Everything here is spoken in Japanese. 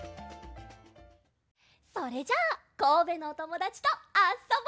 それじゃあこうべのおともだちとあっそぼう！